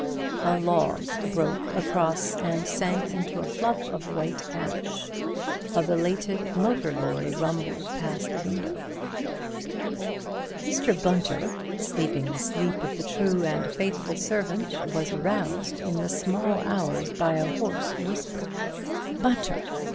A log broke across and sank into a fluff of white ash. A belated motor lorry rumbled past the window. Mr. Bunter, sleeping the sleep of the true and faithful servant, was aroused in the small hours by a hoarse whisper, "Bunter!"